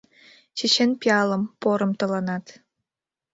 Чечен пиалым, порым тыланат.